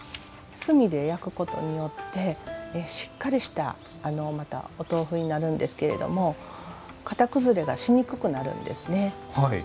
炭で焼くことによってしっかりしたまたお豆腐になるんですけれども型崩れがしにくくなるんですね。